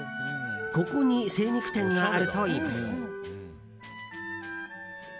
ここに精肉店があるといいます。